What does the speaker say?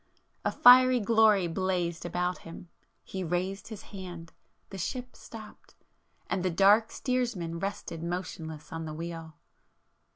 A fiery glory blazed about him, ... he raised his hand, ... the ship stopped,—and the dark Steersman rested motionless on the wheel.